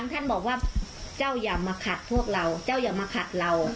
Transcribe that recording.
ท่านบอกว่าเจ้าอย่ามาขัดพวกเราเจ้าอย่ามาขัดเรา